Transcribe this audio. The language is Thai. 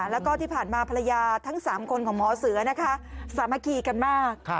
แล้วก็ที่ผ่านมาภรรยาทั้ง๓คนของหมอเสือนะคะสามัคคีกันมาก